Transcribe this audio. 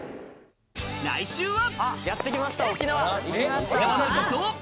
来週は！